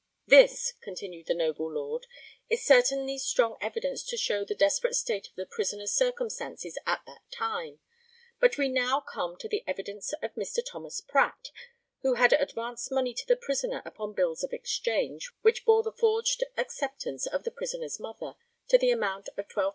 ] This, continued the noble Lord, is certainly strong evidence to show the desperate state of the prisoner's circumstances at that time; but we now come to the evidence of Mr. Thomas Pratt, who had advanced money to the prisoner upon bills of exchange, which bore the forged acceptance of the prisoner's mother, to the amount of £12,500.